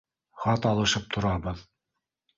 Хат алышып торабыҙ.